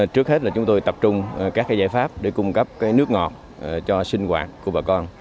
trước hết là chúng tôi tập trung các giải pháp để cung cấp nước ngọt cho sinh hoạt của bà con